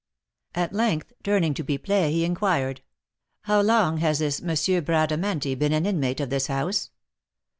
At length, turning to Pipelet, he inquired: "How long has this M. Bradamanti been an inmate of this house?"